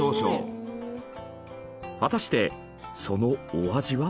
果たしてそのお味は？